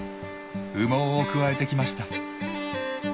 羽毛をくわえてきました。